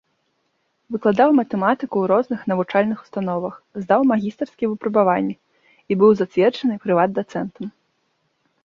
Выкладаў матэматыку ў розных навучальных установах, здаў магістарскія выпрабаванні і быў зацверджаны прыват-дацэнтам.